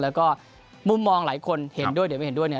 แล้วก็มุมมองหลายคนเห็นด้วยหรือไม่เห็นด้วยเนี่ย